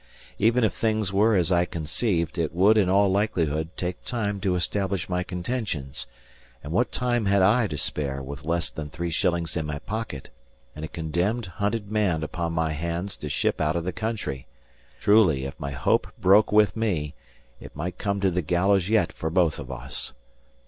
Even if things were as I conceived, it would in all likelihood take time to establish my contentions; and what time had I to spare with less than three shillings in my pocket, and a condemned, hunted man upon my hands to ship out of the country? Truly, if my hope broke with me, it might come to the gallows yet for both of us.